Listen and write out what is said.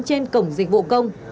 trên cổng dịch vụ công